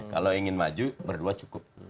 kalau ingin maju berdua cukup